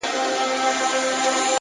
هیله د سختو ورځو ملګرې ده,